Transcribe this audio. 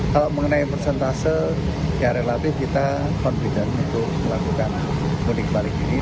kalau mengenai persentase ya relatif kita confidence untuk melakukan pulih balik ini